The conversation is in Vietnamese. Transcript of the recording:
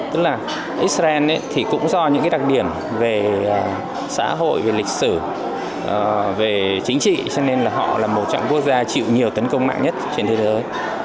tức là israel thì cũng do những đặc điểm về xã hội về lịch sử về chính trị cho nên là họ là một trong quốc gia chịu nhiều tấn công mạng nhất trên thế giới